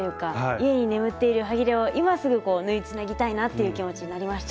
家に眠っているはぎれを今すぐ縫いつなぎたいなという気持ちになりました。